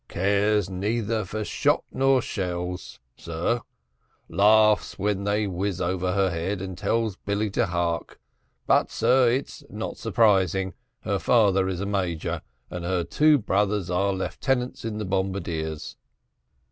"Cares neither for shot nor shell, sir, laughs when they whiz over her head, and tells Billy to hark. But, sir, it's not surprising; her father is a major, and her two brothers are lieutenants in the bombardiers."